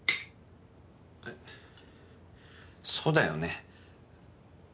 あっそうだよね。